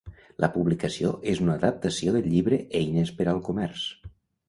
La publicació és una adaptació del llibre Eines per al comerç.